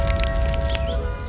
dia menemukan serigala